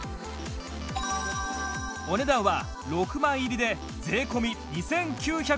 お値段は６枚入りで税込２９７０円